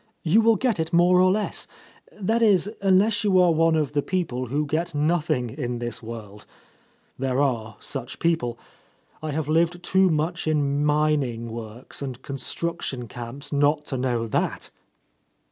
You will get it more or less. That is, unless you are one of the people who get nothing in this world. There are such people. I have lived too much in min ing works and construction camps not to know that."